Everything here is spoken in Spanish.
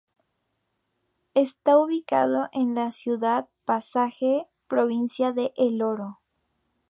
Está ubicado en la ciudad de Pasaje, provincia de El Oro.